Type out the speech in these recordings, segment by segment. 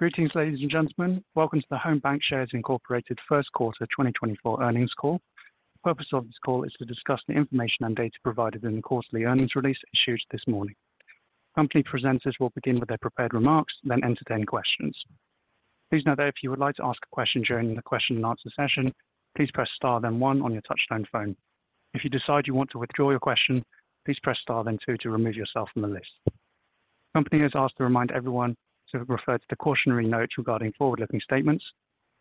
Greetings, ladies and gentlemen. Welcome to the Home BancShares Incorporated First Quarter 2024 earnings call. The purpose of this call is to discuss the information and data provided in the quarterly earnings release issued this morning. Company presenters will begin with their prepared remarks, then entertain questions. Please note that if you would like to ask a question during the question and answer session, please press star, then one on your touch-tone phone. If you decide you want to withdraw your question, please press star, then two to remove yourself from the list. Company has asked to remind everyone to refer to the cautionary note regarding forward-looking statements.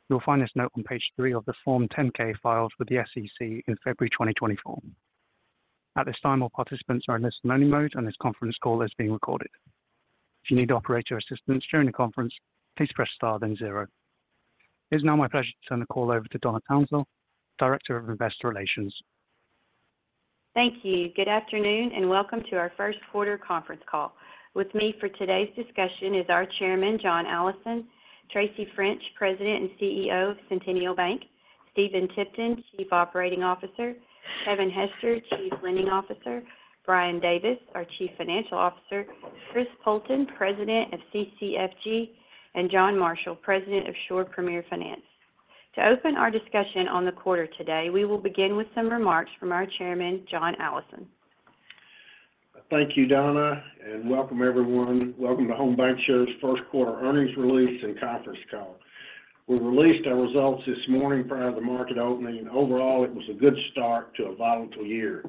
You will find this note on page three of the Form 10-K filed with the SEC in February 2024. At this time, all participants are in listen-only mode, and this conference call is being recorded. If you need operator assistance during the conference, please press star, then 0. It is now my pleasure to turn the call over to Donna Townsell, Director of Investor Relations. Thank you. Good afternoon and welcome to our first quarter conference call. With me for today's discussion is our Chairman John Allison, Tracy French, President and CEO of Centennial Bank, Stephen Tipton, Chief Operating Officer, Kevin Hester, Chief Lending Officer, Brian Davis, our Chief Financial Officer, Chris Poulton, President of CCFG, and John Marshall, President of Shore Premier Finance. To open our discussion on the quarter today, we will begin with some remarks from our Chairman John Allison. Thank you, Donna, and welcome, everyone. Welcome to Home BancShares' first quarter earnings release and conference call. We released our results this morning prior to the market opening. Overall, it was a good start to a volatile year.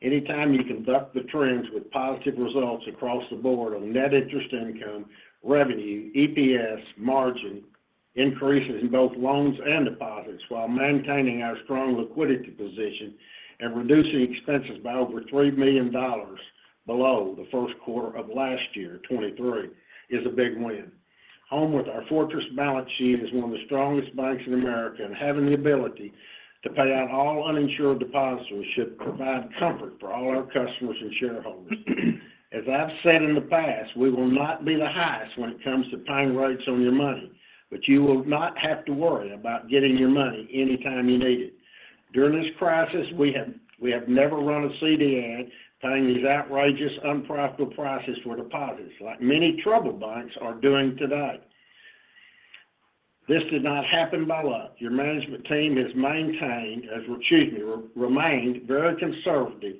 Anytime you conduct the trends with positive results across the board on net interest income, revenue, EPS, margin, increases in both loans and deposits while maintaining our strong liquidity position and reducing expenses by over $3 million below the first quarter of last year, 2023, is a big win. Home, with our fortress balance sheet, is one of the strongest banks in America, and having the ability to pay out all uninsured deposits should provide comfort for all our customers and shareholders. As I've said in the past, we will not be the highest when it comes to paying rates on your money, but you will not have to worry about getting your money anytime you need it. During this crisis, we have never run a CDN paying these outrageous, unprofitable prices for deposits, like many troubled banks are doing today. This did not happen by luck. Your management team has maintained, excuse me, remained very conservative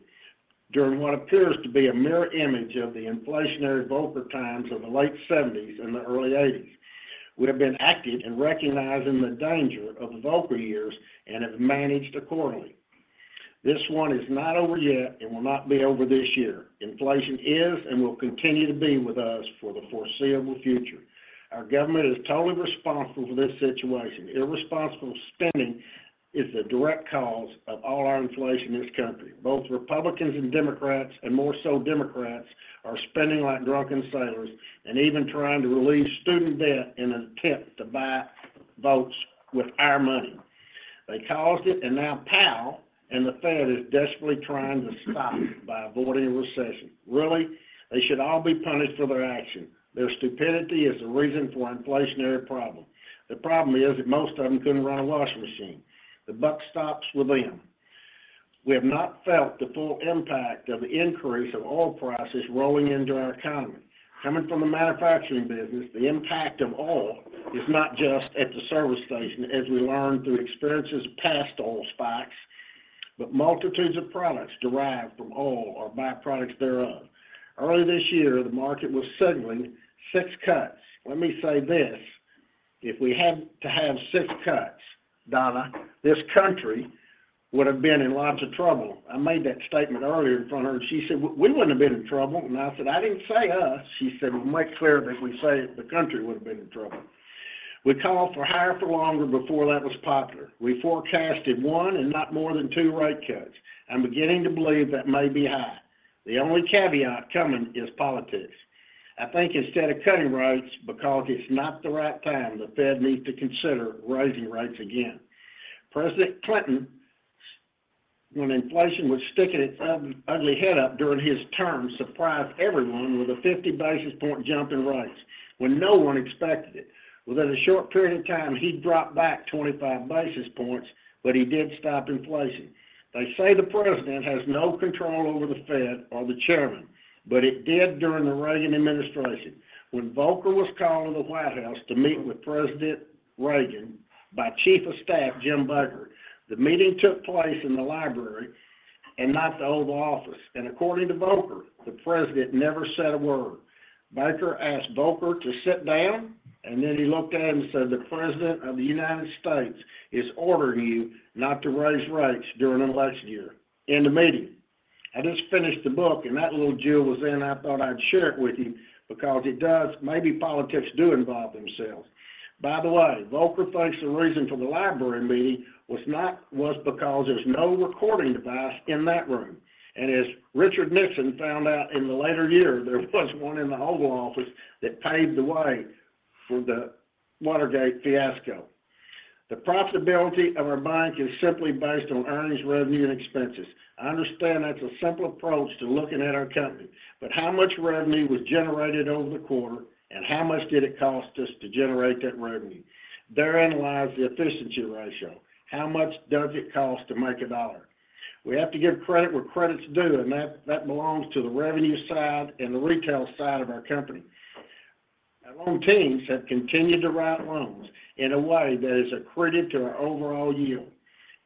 during what appears to be a mirror image of the inflationary Volcker times of the late 1970s and the early 1980s. We have been active in recognizing the danger of the Volcker years and have managed accordingly. This one is not over yet and will not be over this year. Inflation is and will continue to be with us for the foreseeable future. Our government is totally responsible for this situation. Irresponsible spending is the direct cause of all our inflation in this country. Both Republicans and Democrats, and more so Democrats, are spending like drunken sailors and even trying to relieve student debt in an attempt to buy votes with our money. They caused it, and now Powell and the Fed are desperately trying to stop it by avoiding a recession. Really, they should all be punished for their action. Their stupidity is the reason for our inflationary problem. The problem is that most of them couldn't run a washing machine. The buck stops with them. We have not felt the full impact of the increase of oil prices rolling into our economy. Coming from the manufacturing business, the impact of oil is not just at the service station, as we learned through experiences past oil spikes, but multitudes of products derived from oil or byproducts thereof. Earlier this year, the market was signaling six cuts. Let me say this: if we had to have six cuts, Donna, this country would have been in lots of trouble. I made that statement earlier in front of her, and she said, "We wouldn't have been in trouble." And I said, "I didn't say us." She said, "We'll make clear that we say the country would have been in trouble." We called for higher for longer before that was popular. We forecasted one and not more than two rate cuts. I'm beginning to believe that may be high. The only caveat coming is politics. I think instead of cutting rates, because it's not the right time, the Fed needs to consider raising rates again. President Clinton, when inflation was sticking its ugly head up during his term, surprised everyone with a 50-basis-point jump in rates when no one expected it. Within a short period of time, he dropped back 25 basis points, but he did stop inflation. They say the president has no control over the Fed or the chairman, but it did during the Reagan administration. When Volcker was called to the White House to meet with President Reagan by Chief of Staff Jim Baker, the meeting took place in the library and not the Oval Office. And according to Volcker, the president never said a word. Baker asked Volcker to sit down, and then he looked at him and said, "The President of the United States is ordering you not to raise rates during an election year." End of meeting. I just finished the book, and that little jewel was in. I thought I'd share it with you because it does. Maybe politics do involve themselves. By the way, Volcker thinks the reason for the library meeting was because there was no recording device in that room. And as Richard Nixon found out in the later year, there was one in the Oval Office that paved the way for the Watergate fiasco. The profitability of our bank is simply based on earnings, revenue, and expenses. I understand that's a simple approach to looking at our company, but how much revenue was generated over the quarter, and how much did it cost us to generate that revenue? Therein lies the efficiency ratio. How much does it cost to make a dollar? We have to give credit where credit's due, and that belongs to the revenue side and the retail side of our company. Our loan teams have continued to write loans in a way that is accretive to our overall yield.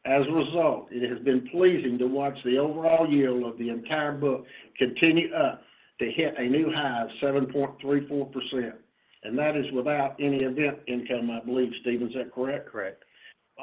As a result, it has been pleasing to watch the overall yield of the entire book continue up to hit a new high of 7.34%. That is without any event income, I believe, Stephen. Is that correct? Correct.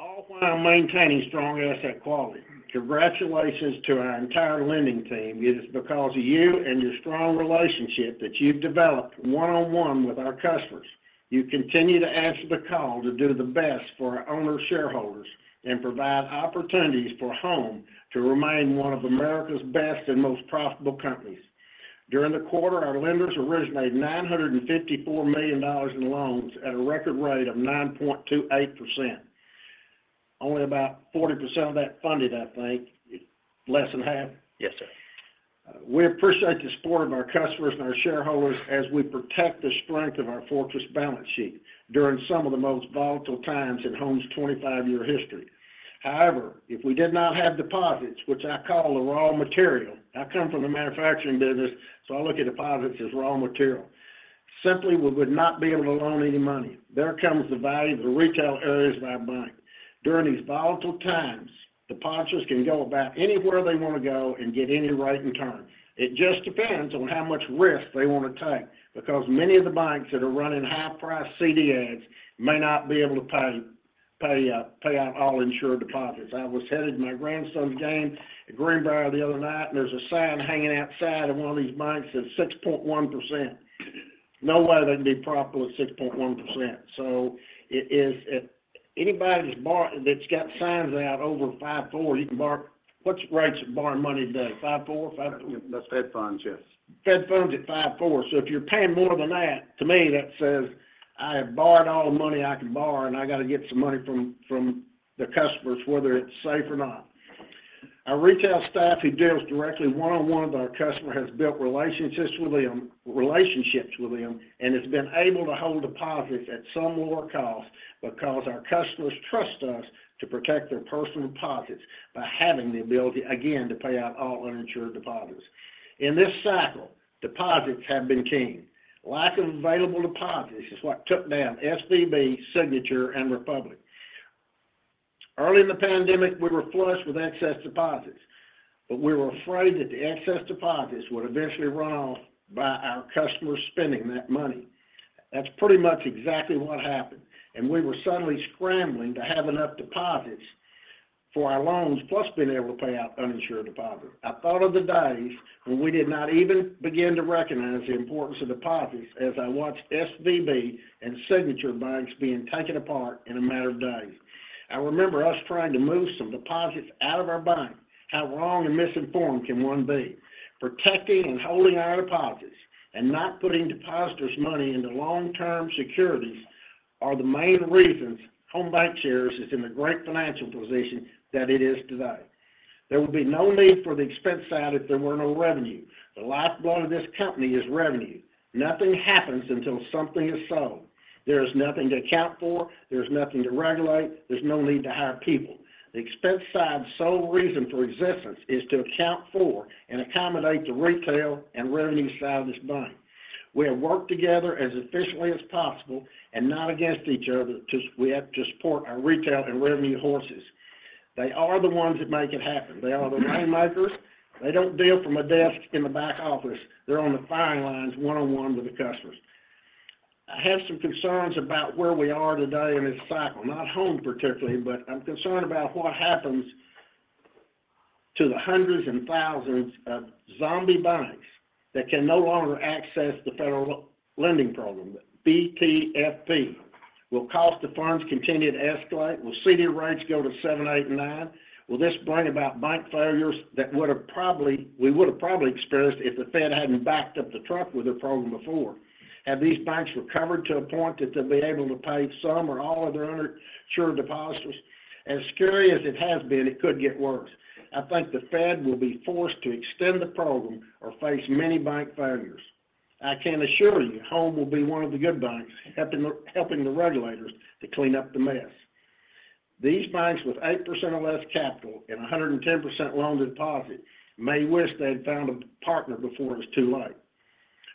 All while maintaining strong asset quality. Congratulations to our entire lending team. It is because of you and your strong relationship that you've developed one-on-one with our customers. You continue to answer the call to do the best for our owner-shareholders and provide opportunities for Home to remain one of America's best and most profitable companies. During the quarter, our lenders originated $954 million in loans at a record rate of 9.28%. Only about 40% of that funded, I think. Less than half? Yes, sir. We appreciate the support of our customers and our shareholders as we protect the strength of our fortress balance sheet during some of the most volatile times in Home's 25-year history. However, if we did not have deposits, which I call the raw material (I come from the manufacturing business, so I look at deposits as raw material), simply, we would not be able to loan any money. There comes the value of the retail areas of our bank. During these volatile times, depositors can go about anywhere they want to go and get any rate they want. It just depends on how much risk they want to take because many of the banks that are running high-priced CDs may not be able to pay out all uninsured deposits. I was heading my grandson's game at Greenbrier the other night, and there's a sign hanging outside of one of these banks that says 6.1%. No way they can be properly 6.1%. So anybody that's got signs out over 5%, 4%, you can bark. What rates are borrowing money today? 5%, 4%? That's Fed funds, yes. Fed funds at 5%, 4%. So if you're paying more than that, to me, that says, "I have borrowed all the money I can borrow, and I got to get some money from the customers, whether it's safe or not." Our retail staff who deals directly one-on-one with our customer has built relationships with them, and it's been able to hold deposits at some lower cost because our customers trust us to protect their personal deposits by having the ability, again, to pay out all uninsured deposits. In this cycle, deposits have been king. Lack of available deposits is what took down SVB, Signature, and Republic. Early in the pandemic, we were flushed with excess deposits, but we were afraid that the excess deposits would eventually run off by our customers spending that money. That's pretty much exactly what happened. And we were suddenly scrambling to have enough deposits for our loans, plus being able to pay out uninsured deposits. I thought of the days when we did not even begin to recognize the importance of deposits as I watched SVB and Signature Bank being taken apart in a matter of days. I remember us trying to move some deposits out of our bank. How wrong and misinformed can one be? Protecting and holding our deposits and not putting depositors' money into long-term securities are the main reasons Home BancShares is in a great financial position that it is today. There would be no need for the expense side if there were no revenue. The lifeblood of this company is revenue. Nothing happens until something is sold. There is nothing to account for. There is nothing to regulate. There's no need to hire people. The expense side's sole reason for existence is to account for and accommodate the retail and revenue side of this bank. We have worked together as efficiently as possible and not against each other to support our retail and revenue horses. They are the ones that make it happen. They are the rainmakers. They don't deal from a desk in the back office. They're on the fine lines one-on-one with the customers. I have some concerns about where we are today in this cycle, not Home particularly, but I'm concerned about what happens to the hundreds and thousands of zombie banks that can no longer access the federal lending program, the BTFP. Will cost of funds continue to escalate? Will CD rates go to 7%, 8%, and 9%? Will this bring about bank failures that we would have probably experienced if the Fed hadn't backed up the truck with their program before? Have these banks recovered to a point that they'll be able to pay some or all of their uninsured depositors? As scary as it has been, it could get worse. I think the Fed will be forced to extend the program or face many bank failures. I can assure you Home will be one of the good banks helping the regulators to clean up the mess. These banks with 8% or less capital and 110% loan to deposit may wish they had found a partner before it was too late.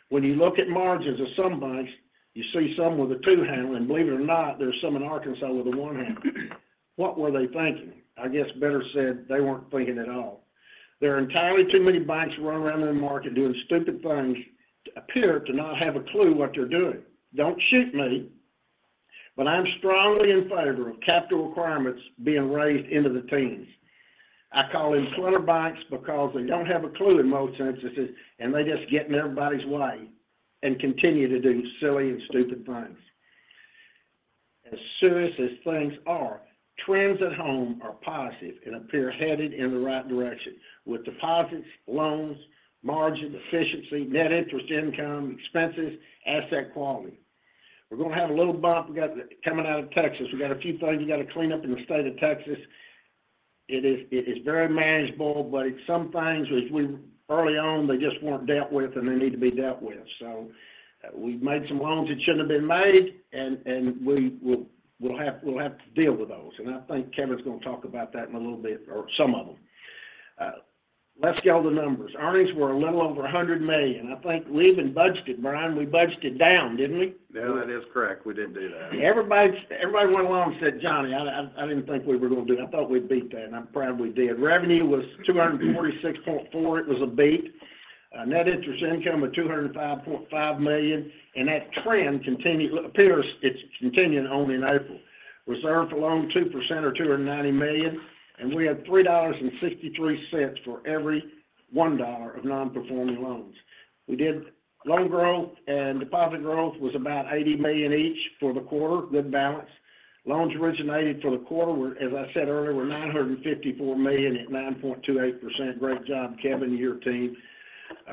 When you look at margins of some banks, you see some with a 2.5%, and believe it or not, there's some in Arkansas with a 1.5%. What were they thinking? I guess better said, they weren't thinking at all. There are entirely too many banks running around in the market doing stupid things to appear to not have a clue what they're doing. Don't shoot me, but I'm strongly in favor of capital requirements being raised into the teens. I call them clutter banks because they don't have a clue in most instances, and they just get in everybody's way and continue to do silly and stupid things. As serious as things are, trends at Home are positive and appear headed in the right direction with deposits, loans, margin, efficiency, net interest income, expenses, asset quality. We're going to have a little bump coming out of Texas. We got a few things we got to clean up in the state of Texas. It is very manageable, but it's some things which, early on, they just weren't dealt with, and they need to be dealt with. So we made some loans that shouldn't have been made, and we'll have to deal with those. And I think Kevin's going to talk about that in a little bit or some of them. Let's go to the numbers. Earnings were a little over $100 million. I think we even budgeted, Brian. We budgeted down, didn't we? No, that is correct. We didn't do that. Everybody went along and said, "Johnny, I didn't think we were going to do it. I thought we'd beat that." I'm proud we did. Revenue was $246.4 million. It was a beat. Net interest income of $205.5 million. And that trend appears it's continuing only in April. Reserve for loan, 2% or $290 million. And we had $3.63 for every $1 of non-performing loans. We did loan growth, and deposit growth was about $80 million each for the quarter. Good balance. Loans originated for the quarter were, as I said earlier, $954 million at 9.28%. Great job, Kevin, your team.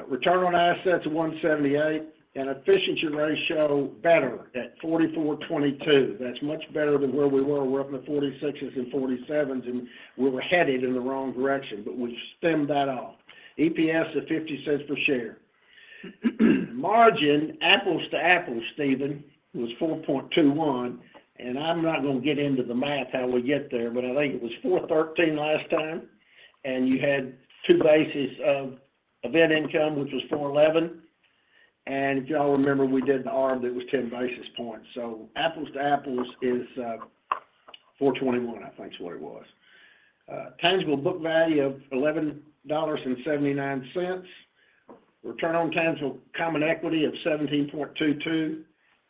Return on assets of 1.78%. An efficiency ratio better at 44.22%. That's much better than where we were. We're up in the 46s and 47s, and we were headed in the wrong direction, but we've stemmed that off. EPS of $0.50 per share. Margin, apples to apples, Stephen, was 4.21. I'm not going to get into the math how we get there, but I think it was 4.13 last time, and you had two basis of event income, which was 4.11. And if y'all remember, we did the arb that was 10 basis points. So apples to apples is 4.21, I think it's what it was. Tangible book value of $11.79. Return on tangible common equity of $17.22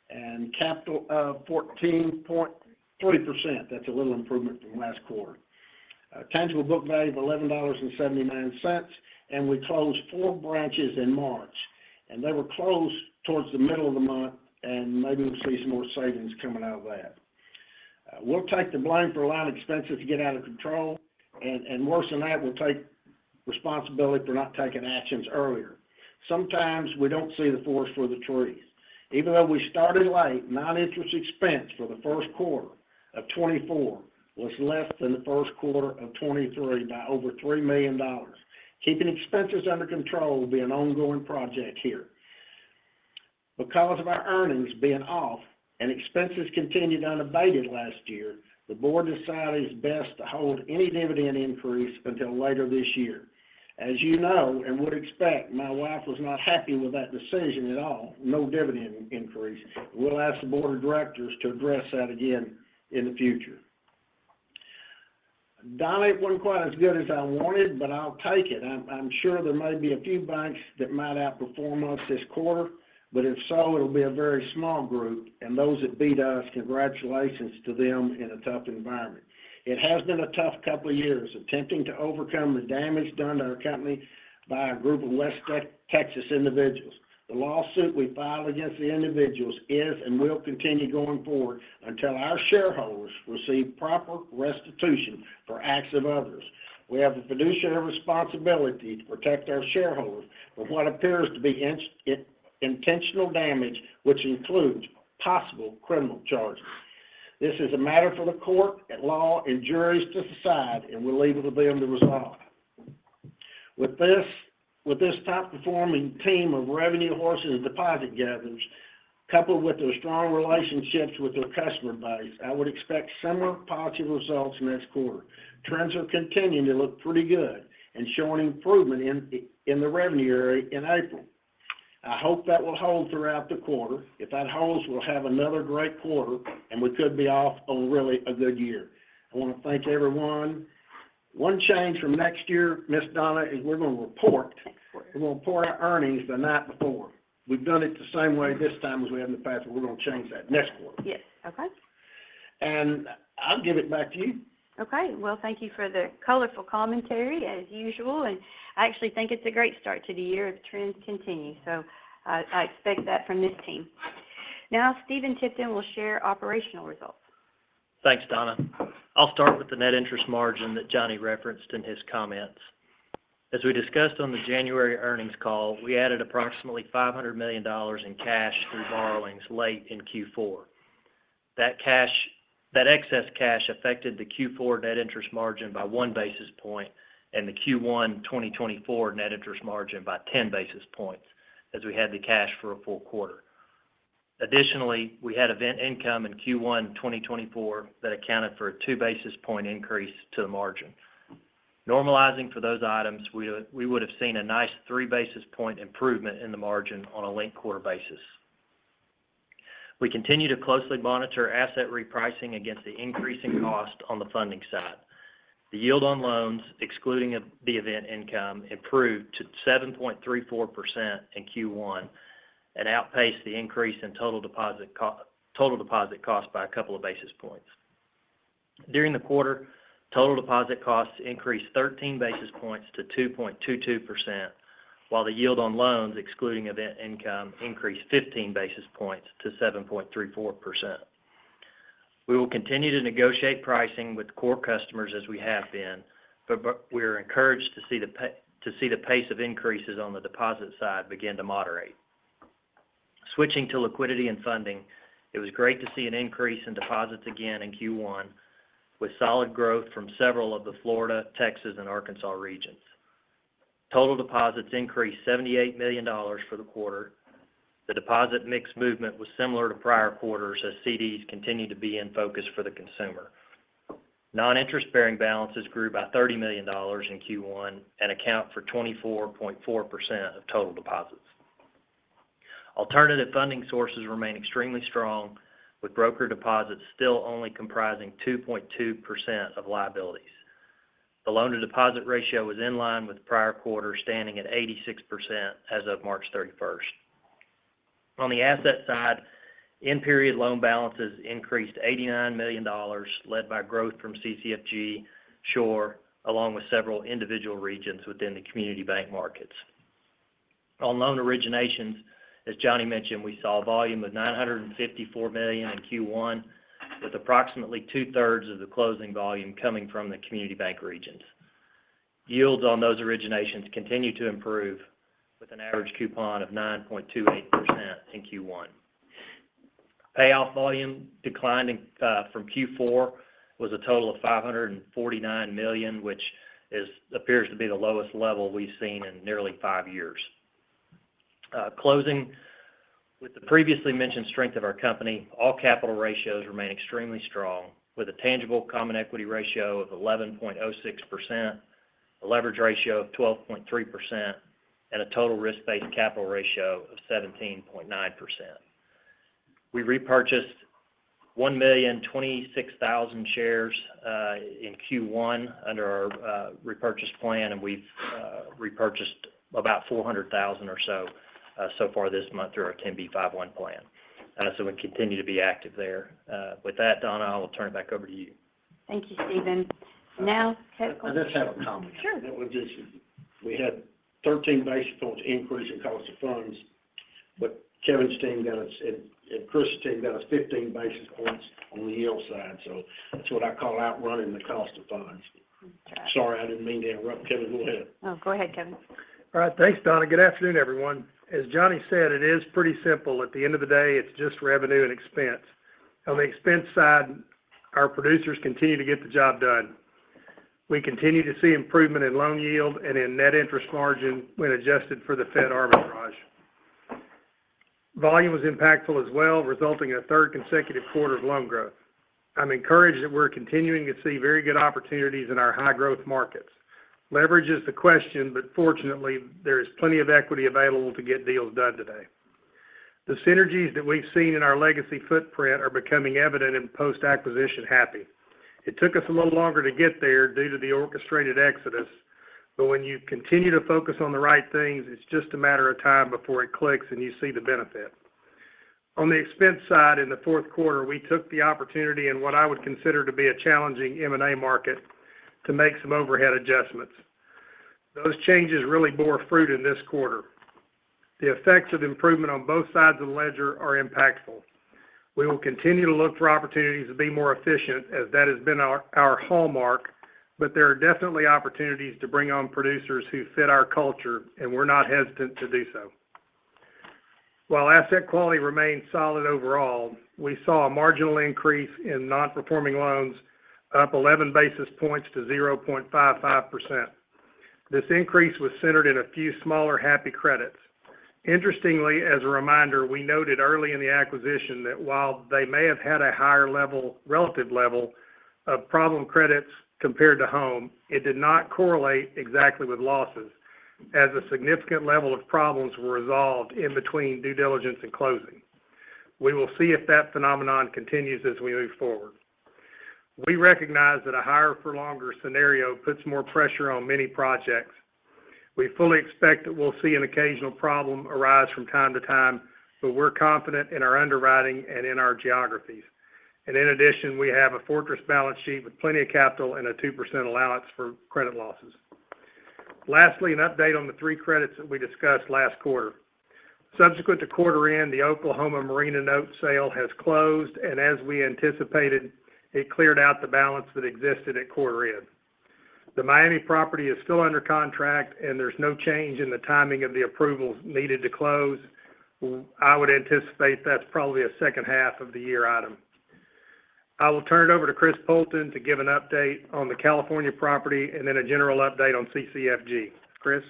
and capital of 14.3%. That's a little improvement from last quarter. Tangible book value of $11.79. We closed four branches in March, and they were closed towards the middle of the month, and maybe we'll see some more savings coming out of that. We'll take the blame for a lot of expenses to get out of control. Worse than that, we'll take responsibility for not taking actions earlier. Sometimes we don't see the forest for the trees. Even though we started late, non-interest expense for the first quarter of 2024 was less than the first quarter of 2023 by over $3 million. Keeping expenses under control will be an ongoing project here. Because of our earnings being off and expenses continued unabated last year, the board decided it's best to hold any dividend increase until later this year. As you know and would expect, my wife was not happy with that decision at all, no dividend increase. We'll ask the board of directors to address that again in the future. ROA wasn't quite as good as I wanted, but I'll take it. I'm sure there may be a few banks that might outperform us this quarter, but if so, it'll be a very small group. Those that beat us, congratulations to them in a tough environment. It has been a tough couple of years attempting to overcome the damage done to our company by a group of West Texas individuals. The lawsuit we filed against the individuals is and will continue going forward until our shareholders receive proper restitution for acts of others. We have a fiduciary responsibility to protect our shareholders from what appears to be intentional damage, which includes possible criminal charges. This is a matter for the court at law and juries to decide, and we'll leave it to them to resolve. With this top-performing team of revenue horses and deposit gatherers, coupled with their strong relationships with their customer base, I would expect similar positive results next quarter. Trends are continuing to look pretty good and showing improvement in the revenue area in April. I hope that will hold throughout the quarter. If that holds, we'll have another great quarter, and we could be off on really a good year. I want to thank everyone. One change from next year, Miss Donna, is we're going to report. We're going to report our earnings the night before. We've done it the same way this time as we have in the past, but we're going to change that next quarter. I'll give it back to you. Okay. Well, thank you for the colorful commentary, as usual. I actually think it's a great start to the year if trends continue. I expect that from this team. Now, Stephen Tipton will share operational results. Thanks, Donna. I'll start with the net interest margin that Johnny referenced in his comments. As we discussed on the January earnings call, we added approximately $500 million in cash through borrowings late in Q4. That excess cash affected the Q4 net interest margin by 1 basis point and the Q1 2024 net interest margin by 10 basis points as we had the cash for a full quarter. Additionally, we had event income in Q1 2024 that accounted for a 2-basis-point increase to the margin. Normalizing for those items, we would have seen a nice 3-basis-point improvement in the margin on a linked quarter basis. We continue to closely monitor asset repricing against the increasing cost on the funding side. The yield on loans, excluding the event income, improved to 7.34% in Q1 and outpaced the increase in total deposit cost by a couple of basis points. During the quarter, total deposit costs increased 13 basis points to 2.22%, while the yield on loans, excluding event income, increased 15 basis points to 7.34%. We will continue to negotiate pricing with core customers as we have been, but we are encouraged to see the pace of increases on the deposit side begin to moderate. Switching to liquidity and funding, it was great to see an increase in deposits again in Q1 with solid growth from several of the Florida, Texas, and Arkansas regions. Total deposits increased $78 million for the quarter. The deposit mix movement was similar to prior quarters as CDs continue to be in focus for the consumer. Non-interest bearing balances grew by $30 million in Q1 and account for 24.4% of total deposits. Alternative funding sources remain extremely strong, with broker deposits still only comprising 2.2% of liabilities. The loan-to-deposit ratio is in line with prior quarter, standing at 86% as of March 31st. On the asset side, in-period loan balances increased $89 million, led by growth from CCFG, Shore, along with several individual regions within the community bank markets. On loan originations, as Johnny mentioned, we saw a volume of $954 million in Q1, with approximately 2/3 of the closing volume coming from the community bank regions. Yields on those originations continue to improve, with an average coupon of 9.28% in Q1. Payoff volume declined from Q4 was a total of $549 million, which appears to be the lowest level we've seen in nearly five years. Closing with the previously mentioned strength of our company, all capital ratios remain extremely strong, with a tangible common equity ratio of 11.06%, a leverage ratio of 12.3%, and a total risk-based capital ratio of 17.9%. We repurchased 1,026,000 shares in Q1 under our repurchase plan, and we've repurchased about 400,000 or so so far this month through our 10b5-1 plan. So we continue to be active there. With that, Donna, I will turn it back over to you. Thank you, Stephen. Now, Kevin. I just have a comment. We had 13 basis points increase in cost of funds, but Kevin's team got 15 and Chris's team got 15 basis points on the yield side. So that's what I call outrunning the cost of funds. Sorry, I didn't mean to interrupt. Kevin, go ahead. Oh, go ahead, Kevin. All right. Thanks, Donna. Good afternoon, everyone. As Johnny said, it is pretty simple. At the end of the day, it's just revenue and expense. On the expense side, our producers continue to get the job done. We continue to see improvement in loan yield and in net interest margin when adjusted for the Fed arbitrage. Volume was impactful as well, resulting in a third consecutive quarter of loan growth. I'm encouraged that we're continuing to see very good opportunities in our high-growth markets. Leverage is the question, but fortunately, there is plenty of equity available to get deals done today. The synergies that we've seen in our legacy footprint are becoming evident in post-acquisition Happy. It took us a little longer to get there due to the orchestrated exodus, but when you continue to focus on the right things, it's just a matter of time before it clicks and you see the benefit. On the expense side, in the fourth quarter, we took the opportunity in what I would consider to be a challenging M&A market to make some overhead adjustments. Those changes really bore fruit in this quarter. The effects of improvement on both sides of the ledger are impactful. We will continue to look for opportunities to be more efficient, as that has been our hallmark, but there are definitely opportunities to bring on producers who fit our culture, and we're not hesitant to do so. While asset quality remained solid overall, we saw a marginal increase in non-performing loans up 11 basis points to 0.55%. This increase was centered in a few smaller Happy credits. Interestingly, as a reminder, we noted early in the acquisition that while they may have had a higher relative level of problem credits compared to Home, it did not correlate exactly with losses, as a significant level of problems were resolved in between due diligence and closing. We will see if that phenomenon continues as we move forward. We recognize that a higher-for-longer scenario puts more pressure on many projects. We fully expect that we'll see an occasional problem arise from time to time, but we're confident in our underwriting and in our geographies. And in addition, we have a fortress balance sheet with plenty of capital and a 2% allowance for credit losses. Lastly, an update on the three credits that we discussed last quarter. Subsequent to quarter-end, the Oklahoma marina note sale has closed, and as we anticipated, it cleared out the balance that existed at quarter-end. The Miami property is still under contract, and there's no change in the timing of the approvals needed to close. I would anticipate that's probably a second half of the year item. I will turn it over to Chris Poulton to give an update on the California property and then a general update on CCFG. Chris?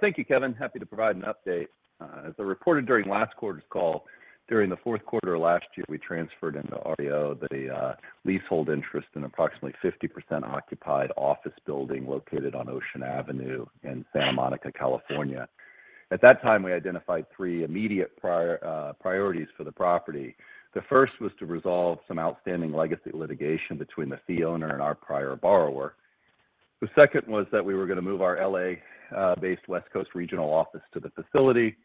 Thank you, Kevin. Happy to provide an update. As I reported during last quarter's call, during the fourth quarter of last year, we transferred into OREO the leasehold interest in approximately 50% occupied office building located on Ocean Avenue in Santa Monica, California. At that time, we identified three immediate priorities for the property. The first was to resolve some outstanding legacy litigation between the fee owner and our prior borrower. The second was that we were going to move our LA-based West Coast regional office to the facility.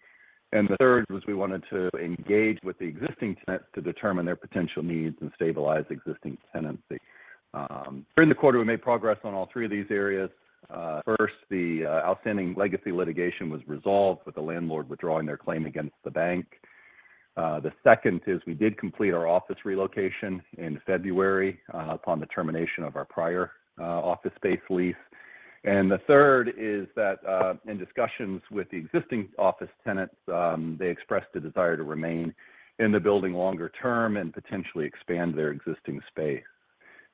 And the third was we wanted to engage with the existing tenants to determine their potential needs and stabilize existing tenancy. During the quarter, we made progress on all three of these areas. First, the outstanding legacy litigation was resolved with the landlord withdrawing their claim against the bank. The second is we did complete our office relocation in February upon the termination of our prior office-based lease. And the third is that in discussions with the existing office tenants, they expressed a desire to remain in the building longer term and potentially expand their existing space.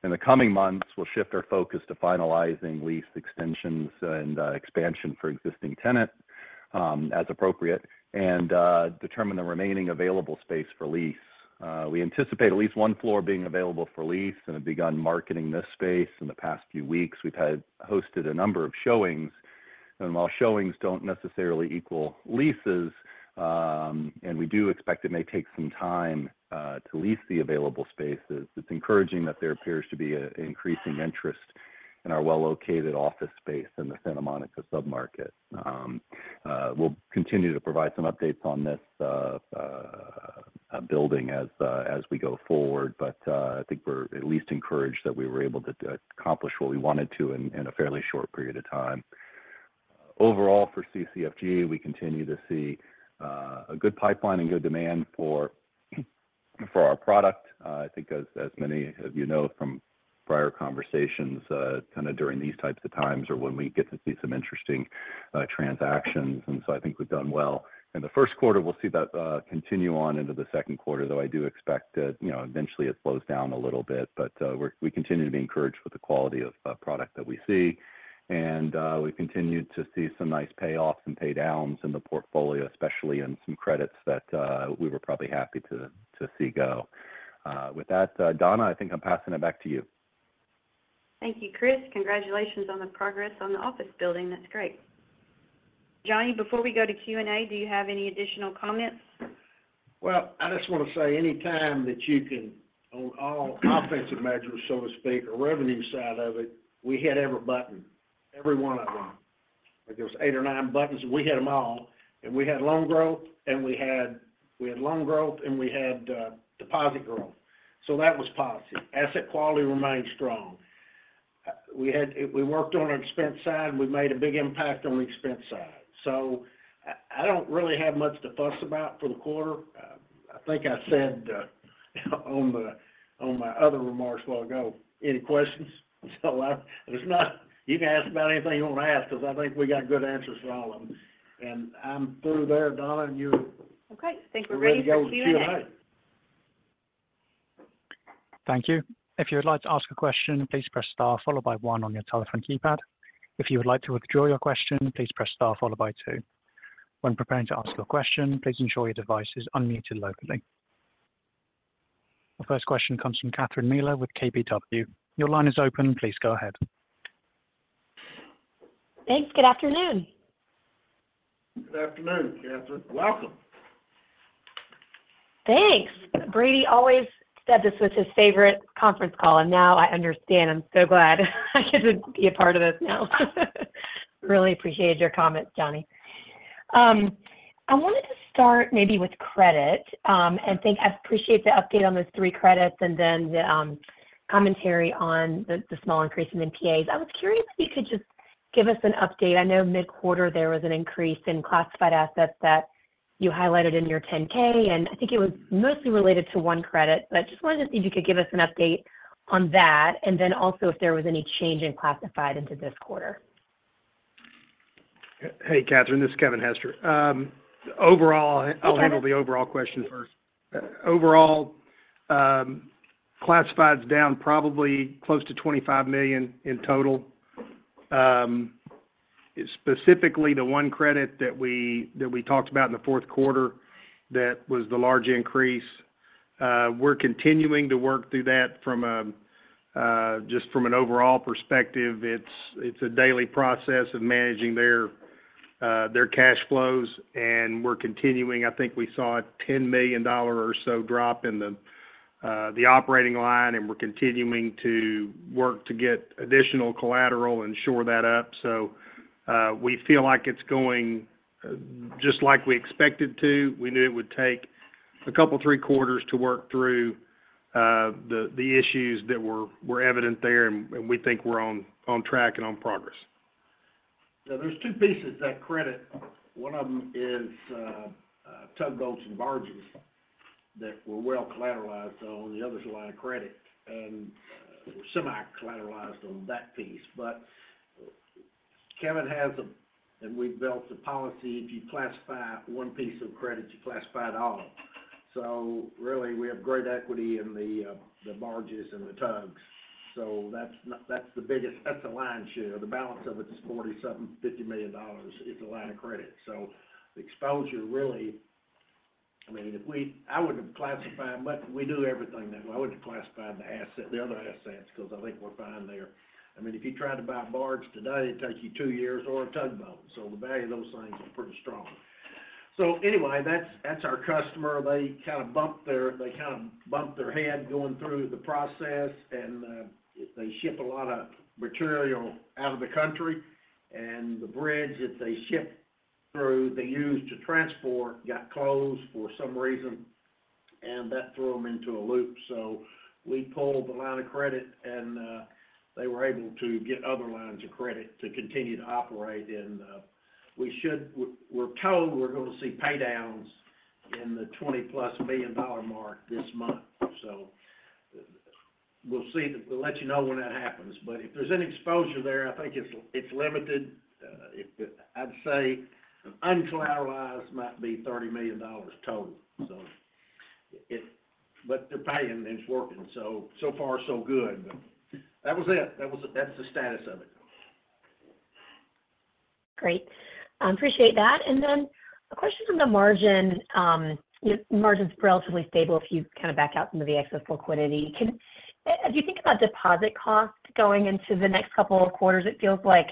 In the coming months, we'll shift our focus to finalizing lease extensions and expansion for existing tenants as appropriate and determine the remaining available space for lease. We anticipate at least one floor being available for lease and have begun marketing this space in the past few weeks. We've hosted a number of showings. And while showings don't necessarily equal leases, and we do expect it may take some time to lease the available spaces, it's encouraging that there appears to be an increasing interest in our well-located office space in the Santa Monica submarket. We'll continue to provide some updates on this building as we go forward, but I think we're at least encouraged that we were able to accomplish what we wanted to in a fairly short period of time. Overall, for CCFG, we continue to see a good pipeline and good demand for our product. I think, as many of you know from prior conversations, kind of during these types of times or when we get to see some interesting transactions. And so I think we've done well. In the first quarter, we'll see that continue on into the second quarter, though I do expect that eventually it slows down a little bit. But we continue to be encouraged with the quality of product that we see. And we've continued to see some nice payoffs and paydowns in the portfolio, especially in some credits that we were probably happy to see go. With that, Donna, I think I'm passing it back to you. Thank you, Chris. Congratulations on the progress on the office building. That's great. John, before we go to Q&A, do you have any additional comments? Well, I just want to say anytime that you can on all offensive measures, so to speak, or revenue side of it, we hit every button, every one of them. There was eight or nine buttons, and we hit them all. And we had loan growth, and we had loan growth, and we had deposit growth. So that was positive. Asset quality remained strong. We worked on our expense side, and we made a big impact on the expense side. So I don't really have much to fuss about for the quarter. I think I said on my other remarks a while ago, any questions? So you can ask about anything you want to ask because I think we got good answers for all of them. And I'm through there, Donna, and you're. Okay. Think we're ready for Q&A. Thank you. If you would like to ask a question, please press star followed by one on your telephone keypad. If you would like to withdraw your question, please press star followed by two. When preparing to ask your question, please ensure your device is unmuted locally. Our first question comes from Catherine Mealor with KBW. Your line is open. Please go ahead. Thanks. Good afternoon. Good afternoon, Catherine. Welcome. Thanks. Brady always said this was his favorite conference call, and now I understand. I'm so glad I get to be a part of this now. Really appreciate your comments, Johnny. I wanted to start maybe with credit and think I appreciate the update on those three credits and then the commentary on the small increase in NPAs. I was curious if you could just give us an update. I know mid-quarter, there was an increase in classified assets that you highlighted in your 10-K, and I think it was mostly related to one credit, but I just wanted to see if you could give us an update on that and then also if there was any change in classified into this quarter. Hey, Catherine. This is Kevin Hester. I'll handle the overall question first. Overall, classified's down probably close to $25 million in total. Specifically, the one credit that we talked about in the fourth quarter that was the large increase, we're continuing to work through that just from an overall perspective. It's a daily process of managing their cash flows, and we're continuing. I think we saw a $10 million or so drop in the operating line, and we're continuing to work to get additional collateral and shore that up. So we feel like it's going just like we expected to. We knew it would take a couple of three-quarters to work through the issues that were evident there, and we think we're on track and on progress. Now, there's two pieces to that credit. One of them is tugboats and barges that were well collateralized on. The other's a line of credit, and we're semi-collateralized on that piece. But Kevin has a. And we've built the policy, if you classify one piece of credit, you classify it all. So really, we have great equity in the barges and the tugs. So that's the biggest that's the line share. The balance of it's $40-something-million, $50 million. It's a line of credit. So the exposure, really I mean, I wouldn't have classified much we do everything that way. I wouldn't have classified the other assets because I think we're fine there. I mean, if you tried to buy a barge today, it'd take you two years or a tugboat. So the value of those things is pretty strong. So anyway, that's our customer. They kind of bumped their head going through the process, and they ship a lot of material out of the country. The bridge that they ship through they use to transport got closed for some reason, and that threw them into a loop. So we pulled the line of credit, and they were able to get other lines of credit to continue to operate. We're told we're going to see paydowns in the $20+ million mark this month. So we'll let you know when that happens. But if there's any exposure there, I think it's limited. I'd say uncollateralized might be $30 million total. But they're paying, and it's working. So far, so good. But that was it. That's the status of it. Great. I appreciate that. And then a question on the margins. Margins are relatively stable if you kind of back out some of the excess liquidity. As you think about deposit costs going into the next couple of quarters, it feels like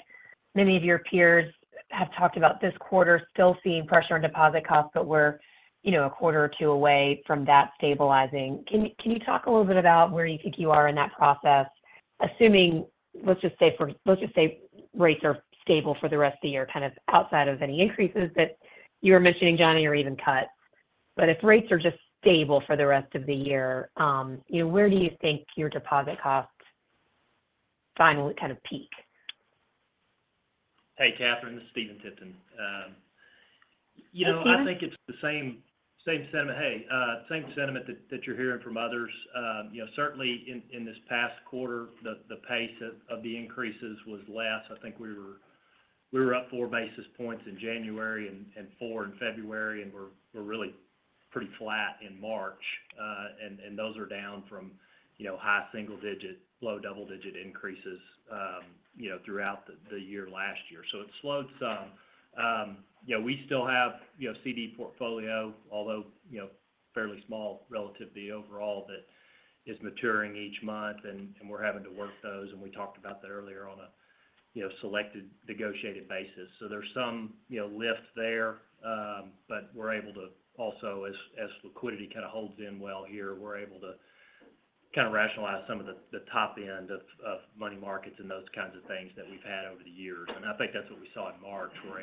many of your peers have talked about this quarter still seeing pressure on deposit costs, but we're a quarter or two away from that stabilizing. Can you talk a little bit about where you think you are in that process? Let's just say rates are stable for the rest of the year, kind of outside of any increases that you were mentioning, Johnny, or even cuts. But if rates are just stable for the rest of the year, where do you think your deposit costs finally kind of peak? Hey, Catherine. This is Stephen Tipton. I think it's the same sentiment. Hey, same sentiment that you're hearing from others. Certainly, in this past quarter, the pace of the increases was less. I think we were up four basis points in January and four in February, and we're really pretty flat in March. And those are down from high single-digit, low double-digit increases throughout the year last year. So it slowed some. We still have CD portfolio, although fairly small relative to the overall, that is maturing each month, and we're having to work those. And we talked about that earlier on a selected negotiated basis. So there's some lift there, but we're able to also as liquidity kind of holds in well here, we're able to kind of rationalize some of the top end of money markets and those kinds of things that we've had over the years. I think that's what we saw in March. We're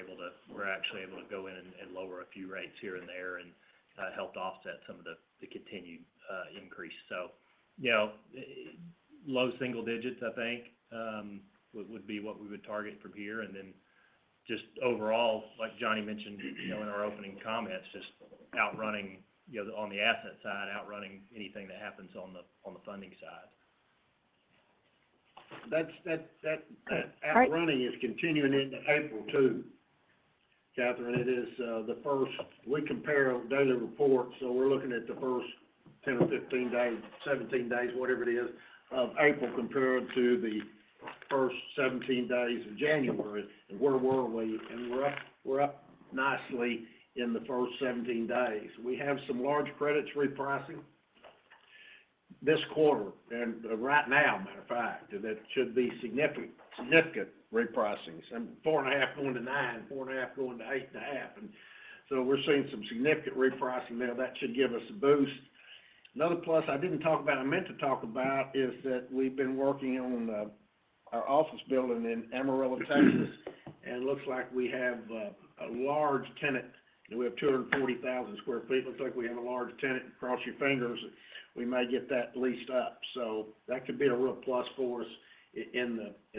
actually able to go in and lower a few rates here and there and helped offset some of the continued increase. So low single digits, I think, would be what we would target from here. Then just overall, like Johnny mentioned in our opening comments, just outrunning on the asset side, outrunning anything that happens on the funding side. That outrunning is continuing into April too, Catherine. It is the first we compare daily reports. So we're looking at the first 10 or 15 days, 17 days, whatever it is, of April compared to the first 17 days of January. And where were we? And we're up nicely in the first 17 days. We have some large credits repricing this quarter and right now, matter of fact, and that should be significant repricings. I mean, 4.5 going to 9, 4.5 going to 8.5. And so we're seeing some significant repricing now. That should give us a boost. Another plus I didn't talk about I meant to talk about is that we've been working on our office building in Amarillo, Texas, and it looks like we have a large tenant. We have 240,000 sq ft. Looks like we have a large tenant. Cross your fingers, we may get that leased up. So that could be a real plus for us in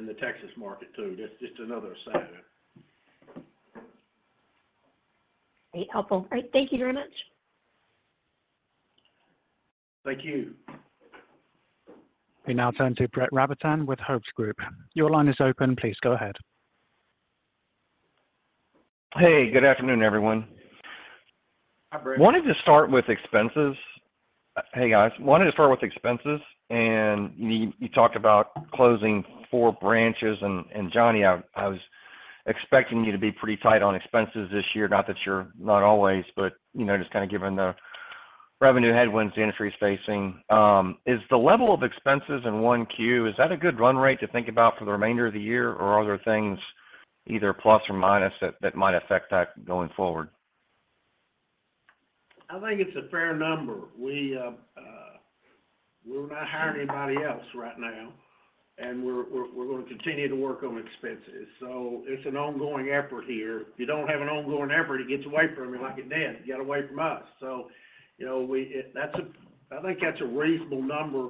the Texas market too. That's just another aside. Helpful. All right. Thank you very much. Thank you. Hey, now it's on to Brett Rabatin with Hovde Group. Your line is open. Please go ahead. Hey, good afternoon, everyone. Wanted to start with expenses. Hey, guys. Wanted to start with expenses. And you talked about closing four branches. And Johnny, I was expecting you to be pretty tight on expenses this year. Not that you're not always, but just kind of given the revenue headwinds the industry is facing. Is the level of expenses in 1Q, is that a good run rate to think about for the remainder of the year, or are there things either plus or minus that might affect that going forward? I think it's a fair number. We're not hiring anybody else right now, and we're going to continue to work on expenses. So it's an ongoing effort here. If you don't have an ongoing effort, it gets away from you like it did. You got away from us. So I think that's a reasonable number.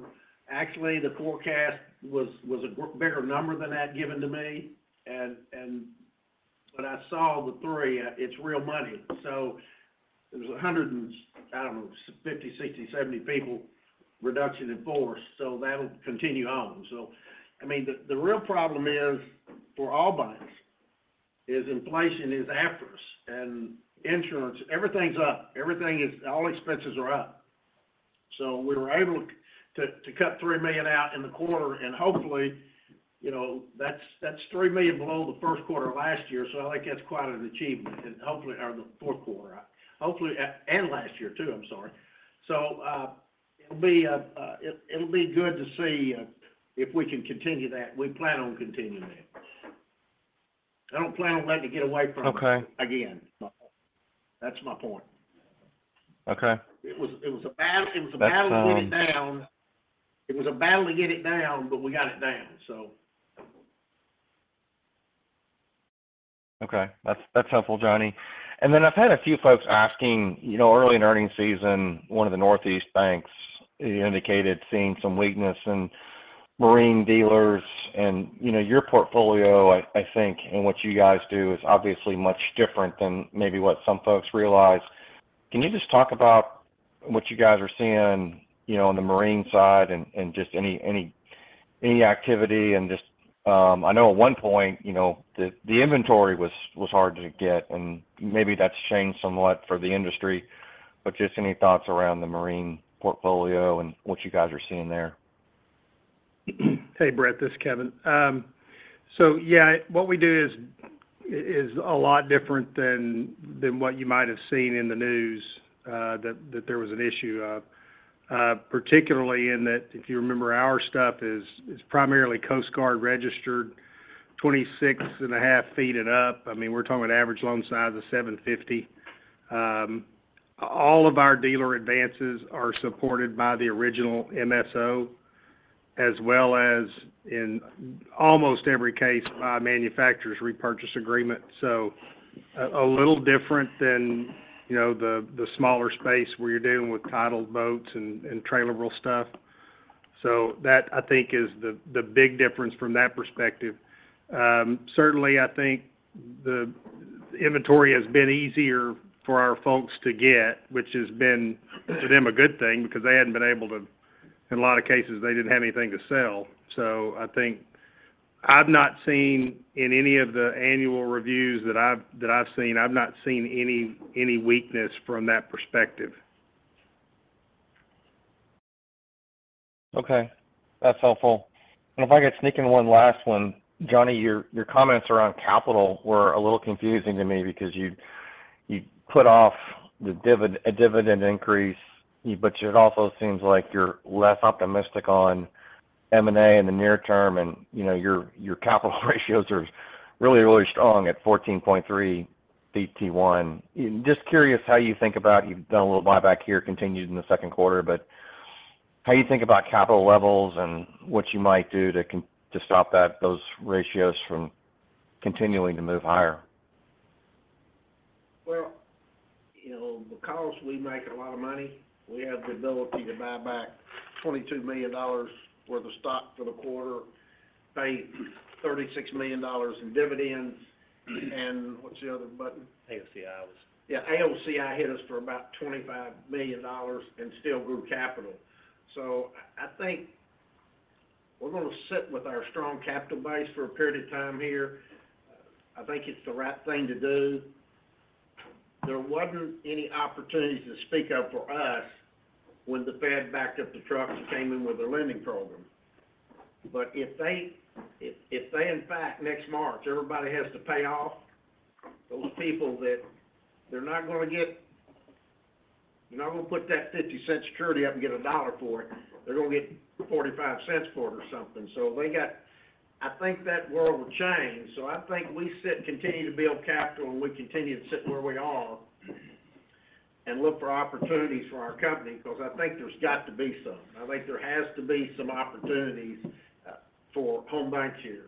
Actually, the forecast was a bigger number than that given to me. But I saw the three. It's real money. So it was 100 and I don't know, 50, 60, 70 people reduction in force. So that'll continue on. So I mean, the real problem for all banks is inflation is after us. And insurance, everything's up. All expenses are up. So we were able to cut $3 million out in the quarter. And hopefully, that's $3 million below the first quarter last year. So I think that's quite an achievement. And hopefully, or the fourth quarter. Hopefully, and last year too. I'm sorry. So, it'll be good to see if we can continue that. We plan on continuing that. I don't plan on letting it get away from us again. That's my point. It was a battle to get it down. It was a battle to get it down, but we got it down, so. Okay. That's helpful, Johnny. And then I've had a few folks asking early in earnings season, one of the Northeast banks indicated seeing some weakness in marine dealers. And your portfolio, I think, and what you guys do is obviously much different than maybe what some folks realize. Can you just talk about what you guys are seeing on the marine side and just any activity? And I know at one point, the inventory was hard to get, and maybe that's changed somewhat for the industry. But just any thoughts around the marine portfolio and what you guys are seeing there? Hey, Brett. This is Kevin. So yeah, what we do is a lot different than what you might have seen in the news that there was an issue of, particularly in that if you remember, our stuff is primarily Coast Guard registered, 26.5 feet and up. I mean, we're talking about average loan size of $750. All of our dealer advances are supported by the original MSO as well as in almost every case by manufacturer's repurchase agreement. So a little different than the smaller space where you're dealing with titled boats and trailable stuff. So that, I think, is the big difference from that perspective. Certainly, I think the inventory has been easier for our folks to get, which has been for them a good thing because they hadn't been able to in a lot of cases, they didn't have anything to sell. I think I've not seen in any of the annual reviews that I've seen. I've not seen any weakness from that perspective. Okay. That's helpful. And if I could sneak in one last one, Johnny, your comments around capital were a little confusing to me because you put off a dividend increase, but it also seems like you're less optimistic on M&A in the near term, and your capital ratios are really, really strong at 14.3% CET1. Just curious how you think about you've done a little buyback here, continued in the second quarter, but how you think about capital levels and what you might do to stop those ratios from continuing to move higher. Well, because we make a lot of money, we have the ability to buy back $22 million worth of stock for the quarter, pay $36 million in dividends. And what's the other button? AOCI was. Yeah. AOCI hit us for about $25 million and still grew capital. So I think we're going to sit with our strong capital base for a period of time here. I think it's the right thing to do. There wasn't any opportunities to speak of for us when the Fed backed up the trucks and came in with their lending program. But if they, in fact, next March, everybody has to pay off those people that they're not going to get you're not going to put that $0.50 security up and get $1 for it. They're going to get $0.45 for it or something. So I think that world will change. So I think we continue to build capital, and we continue to sit where we are and look for opportunities for our company because I think there's got to be some. I think there has to be some opportunities for Home BancShares here.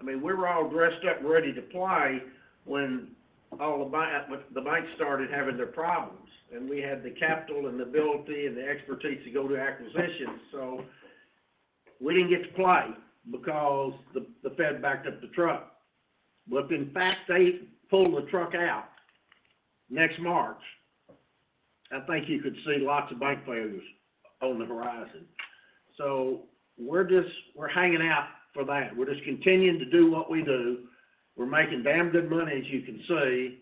I mean, we were all dressed up and ready to play when the banks started having their problems, and we had the capital and the ability and the expertise to go to acquisitions. So we didn't get to play because the Fed backed up the truck. But in fact, they pulled the truck out next March. I think you could see lots of bank failures on the horizon. So we're hanging out for that. We're just continuing to do what we do. We're making damn good money, as you can see.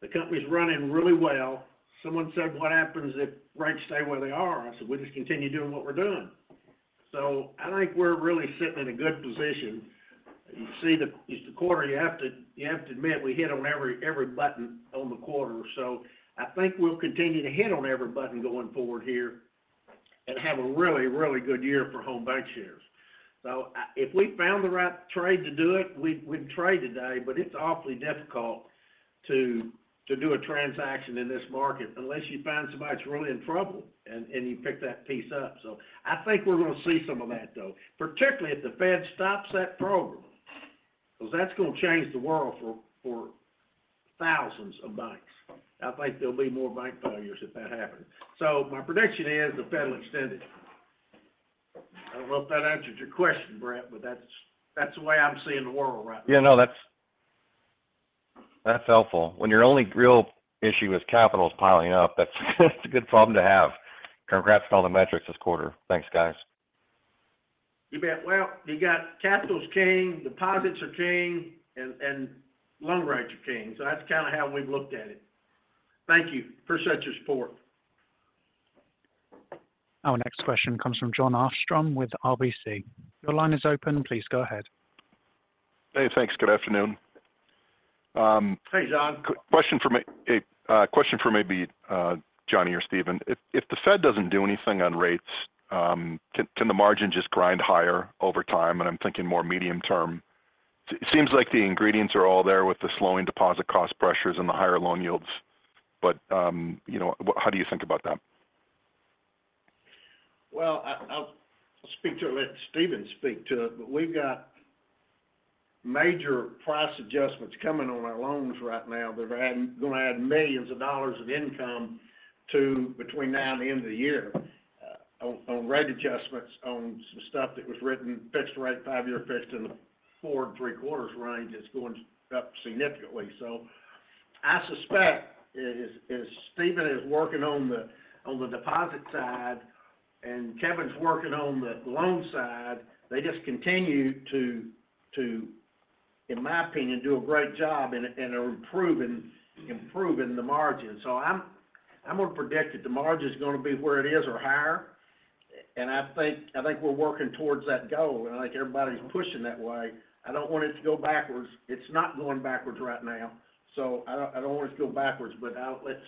The company's running really well. Someone said, "What happens if rates stay where they are?" I said, "We just continue doing what we're doing." So I think we're really sitting in a good position. You see, it's the quarter. You have to admit, we hit on every button on the quarter. So I think we'll continue to hit on every button going forward here and have a really, really good year for Home BancShares. So if we found the right trade to do it, we'd trade today. But it's awfully difficult to do a transaction in this market unless you find somebody that's really in trouble and you pick that piece up. So I think we're going to see some of that, though, particularly if the Fed stops that program because that's going to change the world for thousands of banks. I think there'll be more bank failures if that happens. So my prediction is the Fed'll extend it. I don't know if that answers your question, Brett, but that's the way I'm seeing the world right now. Yeah. No, that's helpful. When your only real issue is capital's piling up, that's a good problem to have. Congrats on all the metrics this quarter. Thanks, guys. You bet. Well, you got capital's king, deposits are king, and loan rates are king. So that's kind of how we've looked at it. Thank you for such support. Our next question comes from Jon Arfstrom with RBC. Your line is open. Please go ahead. Hey. Thanks. Good afternoon. Hey, John. Question for maybe Johnny or Stephen. If the Fed doesn't do anything on rates, can the margin just grind higher over time? And I'm thinking more medium term. It seems like the ingredients are all there with the slowing deposit cost pressures and the higher loan yields. But how do you think about that? Well, I'll speak to it. Let Stephen speak to it. But we've got major price adjustments coming on our loans right now that are going to add $millions of income between now and the end of the year on rate adjustments, on some stuff that was written, fixed rate, 5-year fixed in the 4.75 range. It's going up significantly. So I suspect as Stephen is working on the deposit side and Kevin's working on the loan side, they just continue to, in my opinion, do a great job in improving the margin. So I'm going to predict that the margin is going to be where it is or higher. And I think we're working towards that goal. And I think everybody's pushing that way. I don't want it to go backwards. It's not going backwards right now. So I don't want it to go backwards. But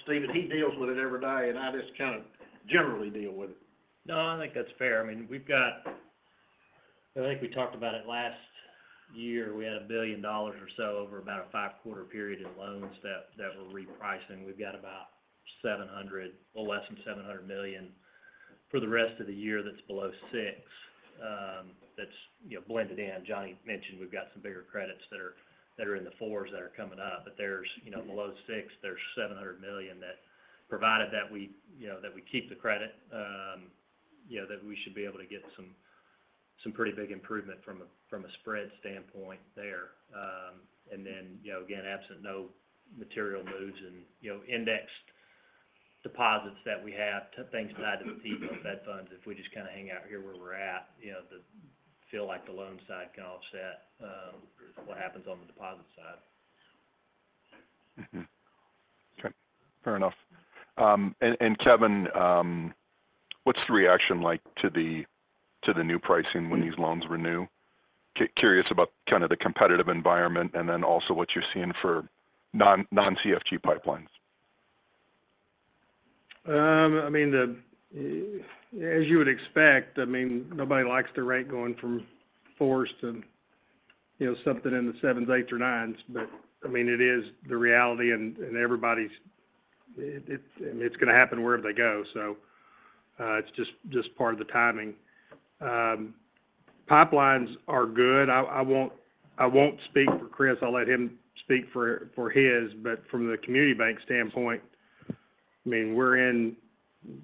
Stephen, he deals with it every day, and I just kind of generally deal with it. No, I think that's fair. I mean, I think we talked about it last year. We had $1 billion or so over about a five-quarter period in loans that were repricing. We've got about $700 million or less than $700 million for the rest of the year that's below six that's blended in. Johnny mentioned we've got some bigger credits that are in the 4s that are coming up. But below six, there's $700 million that provided that we keep the credit, that we should be able to get some pretty big improvement from a spread standpoint there. And then again, absent no material moves and indexed deposits that we have, things tied to the BTFP, Fed funds, if we just kind of hang out here where we're at, feel like the loan side can offset what happens on the deposit side. Fair enough. And Kevin, what's the reaction like to the new pricing when these loans renew? Curious about kind of the competitive environment and then also what you're seeing for non-CCFG pipelines. I mean, as you would expect, I mean, nobody likes the rate going from 4s to something in the 7s, 8s, or 9s. But I mean, it is the reality, and it's going to happen wherever they go. So it's just part of the timing. Pipelines are good. I won't speak for Chris. I'll let him speak for his. But from the community bank standpoint, I mean, we're in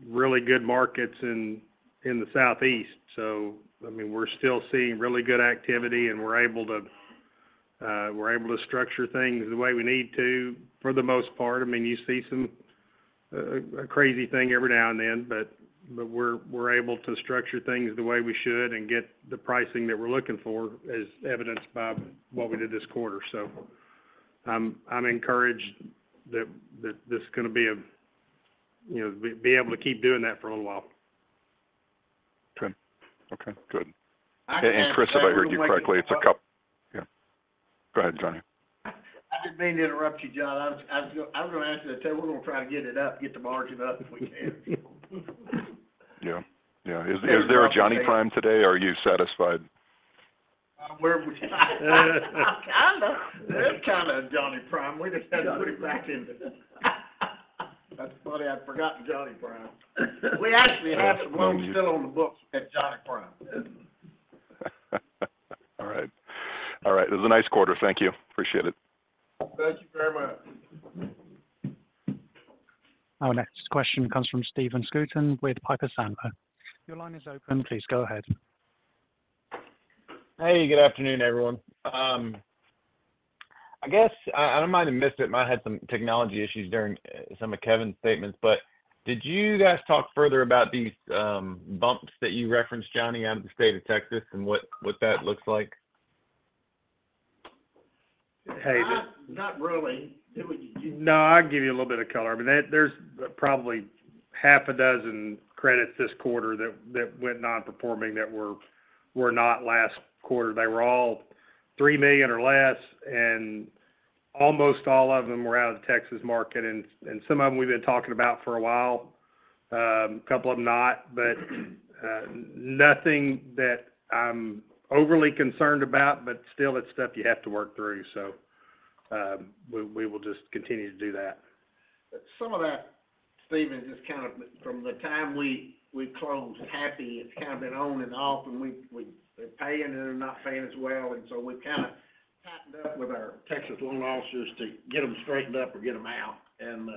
really good markets in the Southeast. So I mean, we're still seeing really good activity, and we're able to structure things the way we need to for the most part. I mean, you see some crazy thing every now and then, but we're able to structure things the way we should and get the pricing that we're looking for as evidenced by what we did this quarter. So I'm encouraged that this is going to be able to keep doing that for a little while. Okay. Okay. Good. And Chris, if I heard you correctly, it's a couple, yeah. Go ahead, Johnny. I didn't mean to interrupt you, Jon. I was going to ask you to tell you, we're going to try to get it up, get the margin up if we can. Yeah. Yeah. Is there a Johnny Prime today? Are you satisfied? Where would you? Kind of. There's kind of a Johnny Prime. We just had to put it back in. That's funny. I'd forgotten Johnny Prime. We actually have some loans still on the books at Johnny Prime. All right. All right. It was a nice quarter. Thank you. Appreciate it. Thank you very much. Our next question comes from Stephen Scouten with Piper Sandler. Your line is open. Please go ahead. Hey. Good afternoon, everyone. I guess I don't mind to miss it. I might have had some technology issues during some of Kevin's statements. But did you guys talk further about these bumps that you referenced, Johnny, out of the state of Texas and what that looks like? Hey. Not really. No, I'll give you a little bit of color. I mean, there's probably half-dozen credits this quarter that went non-performing that were not last quarter. They were all $3 million or less, and almost all of them were out of the Texas market. Some of them we've been talking about for a while, a couple of them not, but nothing that I'm overly concerned about. But still, it's stuff you have to work through. We will just continue to do that. Some of that, Stephen, is just kind of from the time we closed happy. It's kind of been on and off, and they're paying and they're not paying as well. And so we've kind of tightened up with our Texas loan officers to get them straightened up or get them out and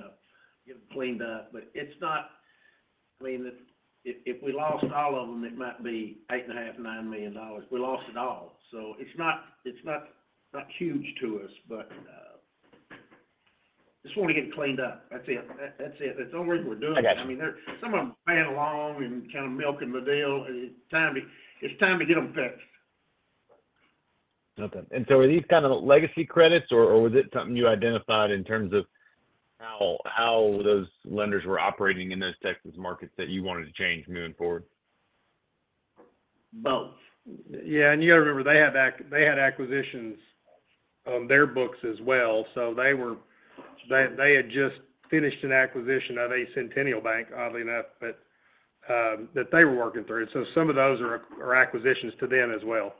get them cleaned up. But I mean, if we lost all of them, it might be $8.5 million-$9 million. We lost it all. So it's not huge to us, but just want to get it cleaned up. That's it. That's it. That's the only reason we're doing it. I mean, some of them are paying along and kind of milking the deal. It's time to get them fixed. Okay. And so are these kind of legacy credits, or was it something you identified in terms of how those lenders were operating in those Texas markets that you wanted to change moving forward? Both. Yeah. And you got to remember, they had acquisitions on their books as well. So they had just finished an acquisition of a Centennial Bank, oddly enough, that they were working through. So some of those are acquisitions to them as well.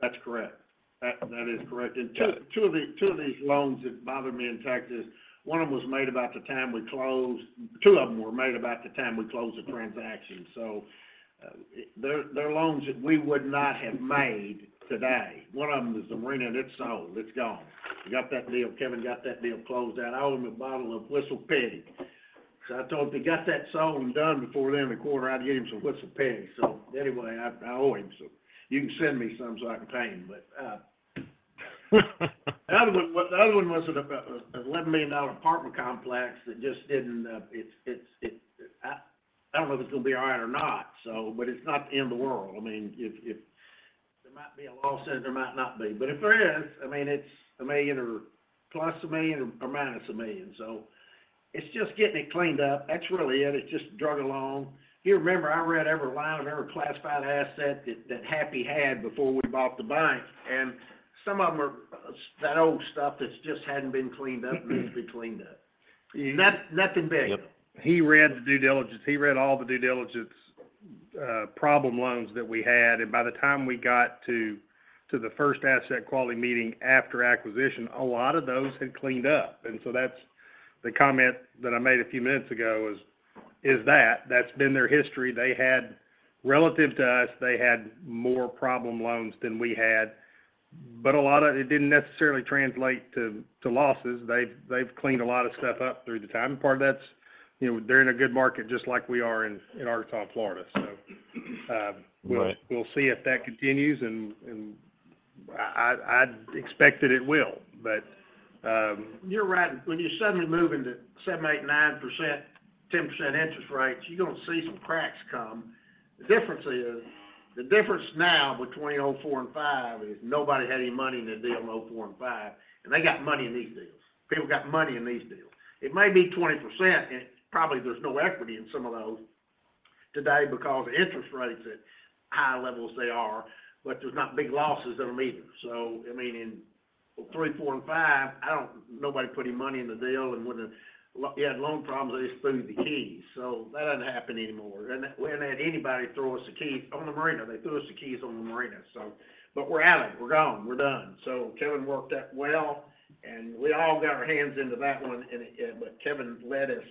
That's correct. That is correct. And two of these loans that bother me in Texas, one of them was made about the time we closed two of them were made about the time we closed the transaction. So they're loans that we would not have made today. One of them is the Marina. It's sold. It's gone. We got that deal. Kevin got that deal closed out. I owe him a bottle of WhistlePig. So I told him, "If you got that sold and done before the end of the quarter, I'd get him some WhistlePig." So anyway, I owe him some. You can send me some so I can pay him. But the other one was an $11 million apartment complex that just didn't I don't know if it's going to be all right or not, but it's not the end of the world. I mean, there might be a loss and there might not be. But if there is, I mean, it's $1 million or +$1 million or -$1 million. So it's just getting it cleaned up. That's really it. It's just drug along. You remember I read every line of every classified asset that Happy had before we bought the bank? And some of them are that old stuff that just hadn't been cleaned up and needs to be cleaned up. Nothing big. He read the due diligence. He read all the due diligence problem loans that we had. And by the time we got to the first asset quality meeting after acquisition, a lot of those had cleaned up. And so the comment that I made a few minutes ago was, "Is that?" That's been their history. Relative to us, they had more problem loans than we had. But a lot of it didn't necessarily translate to losses. They've cleaned a lot of stuff up through the time. And part of that's they're in a good market just like we are in Arkansas, Florida. So we'll see if that continues. And I'd expect that it will, but. You're right. When you suddenly move into 7%, 8%, 9%, 10% interest rates, you're going to see some cracks come. The difference now between 2004 and 2005 is nobody had any money in the deal in 2004 and 2005. And they got money in these deals. People got money in these deals. It may be 20%, and probably there's no equity in some of those today because the interest rates at high levels they are, but there's not big losses in them either. So I mean, in 2003, 2004, and 2005, nobody put any money in the deal. And when you had loan problems, they just threw you the keys. So that doesn't happen anymore. We didn't have anybody throw us the keys on the marina. They threw us the keys on the marina, but we're out of it. We're gone. We're done. So Kevin worked out well, and we all got our hands into that one. But Kevin led us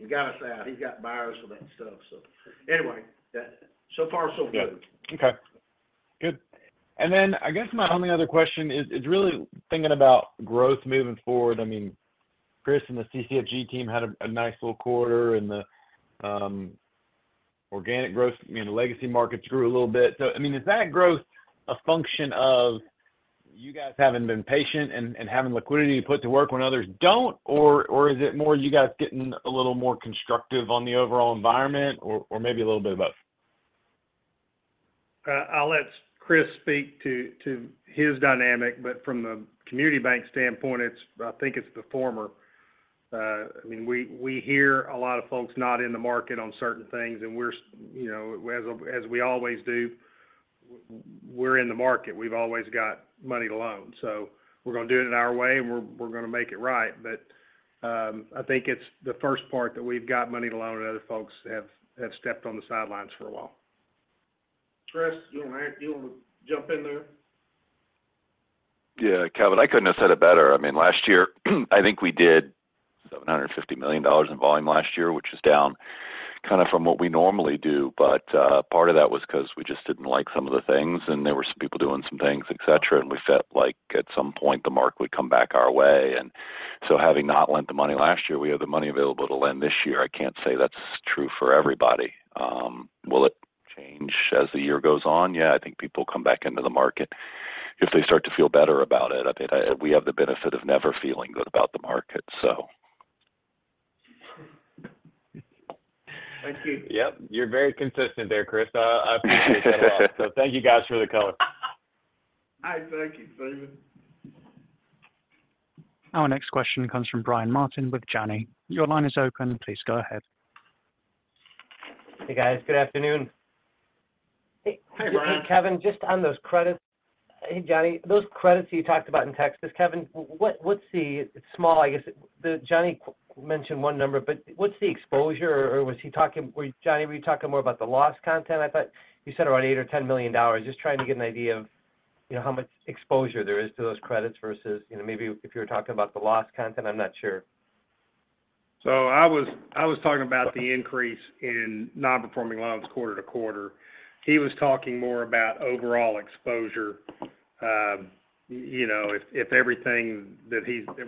and got us out. He's got buyers for that stuff. So anyway, so far, so good. Yeah. Okay. Good. And then I guess my only other question is really thinking about growth moving forward. I mean, Chris and the CCFG team had a nice little quarter, and the organic growth, I mean, the legacy markets grew a little bit. So I mean, is that growth a function of you guys having been patient and having liquidity to put to work when others don't, or is it more you guys getting a little more constructive on the overall environment or maybe a little bit of both? I'll let Chris speak to his dynamic. But from the community bank standpoint, I think it's the former. I mean, we hear a lot of folks not in the market on certain things. And as we always do, we're in the market. We've always got money to loan. So we're going to do it in our way, and we're going to make it right. But I think it's the first part that we've got money to loan, and other folks have stepped on the sidelines for a while. Chris, you want to jump in there? Yeah. Kevin, I couldn't have said it better. I mean, last year, I think we did $750 million in volume last year, which is down kind of from what we normally do. But part of that was because we just didn't like some of the things, and there were some people doing some things, etc. And we felt like at some point, the market would come back our way. And so having not lent the money last year, we have the money available to lend this year. I can't say that's true for everybody. Will it change as the year goes on? Yeah. I think people come back into the market if they start to feel better about it. I mean, we have the benefit of never feeling good about the market, so. Thank you. Yep. You're very consistent there, Chris. I appreciate that a lot. So thank you guys for the color. All right. Thank you, Stephen. Our next question comes from Brian Martin with Janney. Your line is open. Please go ahead. Hey, guys. Good afternoon. Hey, Brian. Hey, Kevin. Just on those credits. Hey, Johnny, those credits that you talked about in Texas. Kevin, what's the scale, I guess? Johnny mentioned one number, but what's the exposure, or was he talking—Johnny, were you talking more about the loss content? I thought you said around $8 million or $10 million, just trying to get an idea of how much exposure there is to those credits versus maybe if you were talking about the loss content. I'm not sure. So I was talking about the increase in non-performing loans quarter to quarter. He was talking more about overall exposure if everything that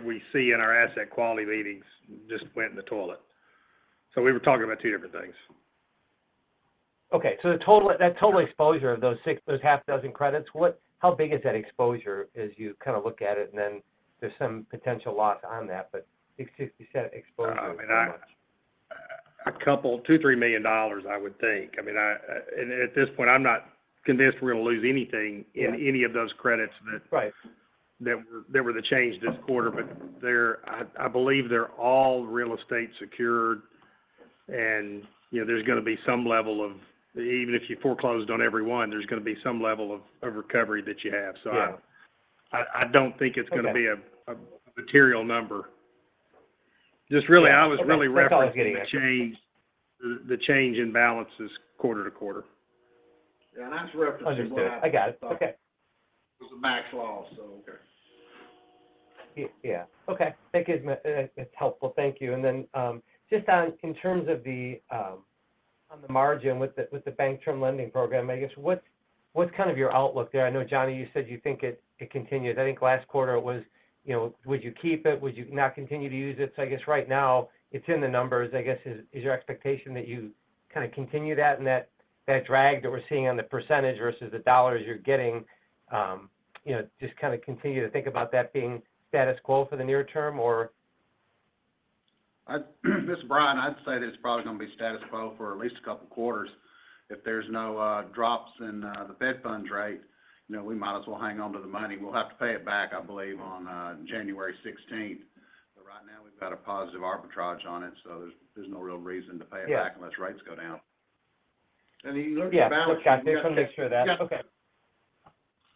we see in our asset quality meetings just went in the toilet. So we were talking about two different things. Okay. So that total exposure of those half a dozen credits, how big is that exposure as you kind of look at it? And then there's some potential loss on that, but 60% exposure, how much? I mean, $2 million-$3 million, I would think. I mean, and at this point, I'm not convinced we're going to lose anything in any of those credits that were the change this quarter. But I believe they're all real estate secured, and there's going to be some level of even if you foreclosed on everyone, there's going to be some level of recovery that you have. So I don't think it's going to be a material number. Just really, I was really referencing the change in balances quarter to quarter. Yeah. And I was just. I got it. Okay. It was a max loss, so. Yeah. Okay. That's helpful. Thank you. And then just in terms of the margin with the Bank Term Funding Program, I guess, what's kind of your outlook there? I know, Johnny, you said you think it continues. I think last quarter, it was, would you keep it? Would you not continue to use it? So I guess right now, it's in the numbers. I guess, is your expectation that you kind of continue that and that drag that we're seeing on the percentage versus the dollars you're getting, just kind of continue to think about that being status quo for the near term, or? Mr. Brian, I'd say that it's probably going to be status quo for at least a couple of quarters. If there's no drops in the Fed funds rate, we might as well hang on to the money. We'll have to pay it back, I believe, on January 16th. But right now, we've got a positive arbitrage on it, so there's no real reason to pay it back unless rates go down. You learned your balance. Yeah. Look, Kevin, just want to make sure that. Okay.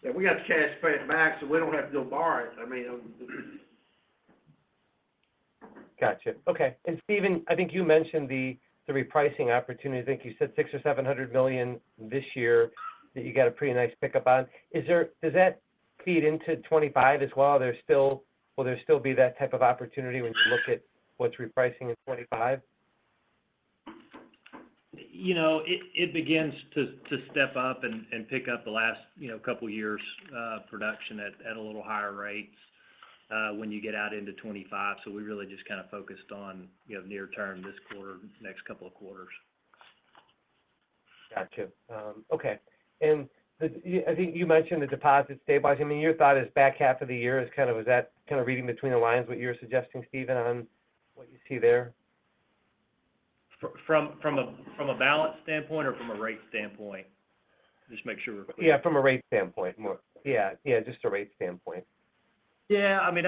Yeah. We got the cash to pay it back, so we don't have to go borrow it. I mean. Gotcha. Okay. And Stephen, I think you mentioned the repricing opportunity. I think you said $600 million or $700 million this year that you got a pretty nice pickup on. Does that feed into 2025 as well? Will there still be that type of opportunity when you look at what's repricing in 2025? It begins to step up and pick up the last couple of years' production at a little higher rates when you get out into 2025. So we really just kind of focused on near term, this quarter, next couple of quarters. Gotcha. Okay. And I think you mentioned the deposit stabilizing. I mean, your thought is back half of the year is kind of that kind of reading between the lines, what you're suggesting, Stephen, on what you see there? From a balance standpoint or from a rate standpoint? Just make sure we're clear. Yeah. From a rate standpoint more. Yeah. Yeah. Just a rate standpoint. Yeah. I mean,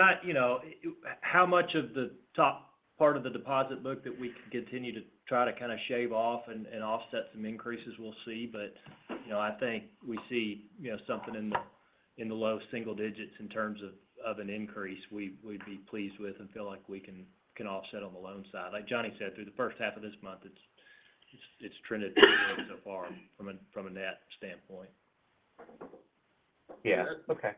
how much of the top part of the deposit book that we could continue to try to kind of shave off and offset some increases, we'll see. But I think we see something in the low single digits in terms of an increase we'd be pleased with and feel like we can offset on the loan side. Like Johnny said, through the first half of this month, it's trended pretty good so far from a net standpoint. Yeah. Okay.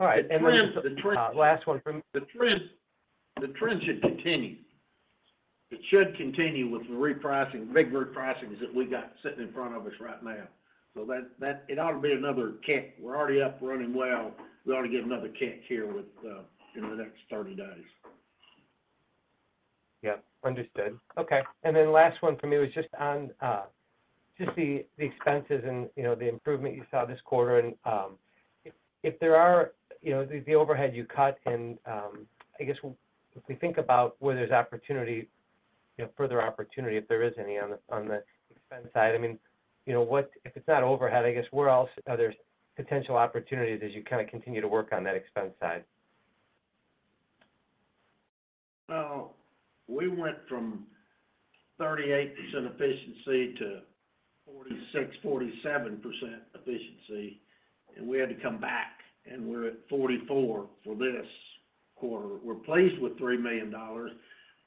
All right. And then. Last one from. The trend should continue. It should continue with the big repricings that we got sitting in front of us right now. So it ought to be another kick. We're already up running well. We ought to get another kick here within the next 30 days. Yep. Understood. Okay. And then the last one for me was just on just the expenses and the improvement you saw this quarter. And if there are the overhead you cut, and I guess if we think about where there's further opportunity, if there is any on the expense side, I mean, if it's not overhead, I guess where else are there potential opportunities as you kind of continue to work on that expense side? Well, we went from 38% efficiency to 46%-47% efficiency, and we had to come back, and we're at 44% for this quarter. We're pleased with $3 million.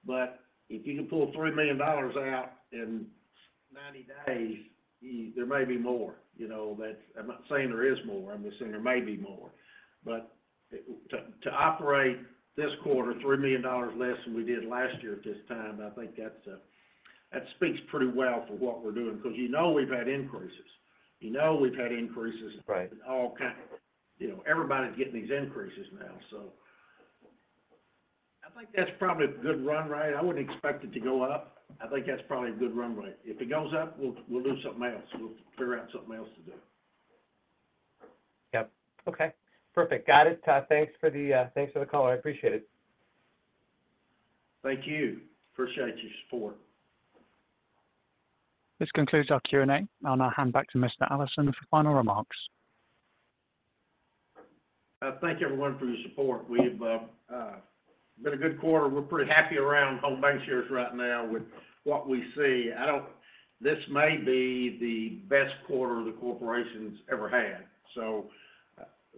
But if you can pull $3 million out in 90 days, there may be more. I'm not saying there is more. I'm just saying there may be more. But to operate this quarter $3 million less than we did last year at this time, I think that speaks pretty well for what we're doing because you know we've had increases. You know we've had increases. And all kinds of everybody's getting these increases now. So I think that's probably a good run rate. I wouldn't expect it to go up. I think that's probably a good run rate. If it goes up, we'll do something else. We'll figure out something else to do. Yep. Okay. Perfect. Got it. Thanks for the call. I appreciate it. Thank you. Appreciate your support. This concludes our Q&A, and I'll hand back to Mr. Allison for final remarks. Thank everyone for your support. We've been a good quarter. We're pretty happy around Home BancShares right now with what we see. This may be the best quarter the corporation's ever had. So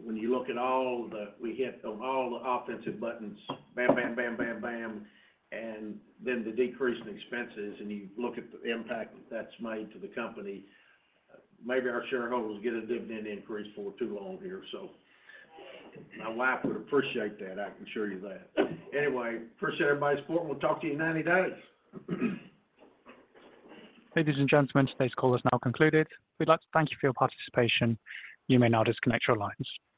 when you look at all the we hit on all the offensive buttons, bam, bam, bam, bam, bam, and then the decrease in expenses, and you look at the impact that that's made to the company, maybe our shareholders get a dividend increase for too long here. So my wife would appreciate that. I can assure you that. Anyway, appreciate everybody's support, and we'll talk to you in 90 days. Ladies and gentlemen, today's call is now concluded. We'd like to thank you for your participation. You may now disconnect your lines.